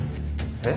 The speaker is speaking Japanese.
えっ？